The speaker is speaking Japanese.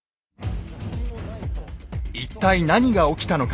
一体何が起きたのか。